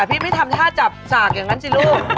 พี่ไม่ทำท่าจับสากอย่างนั้นสิลูก